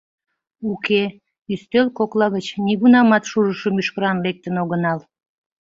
Уке, ӱстел кокла гыч нигунамат шужышо мӱшкыран лектын огынал.